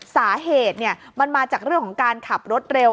สาเหตุมันมาจากเรื่องของการขับรถเร็ว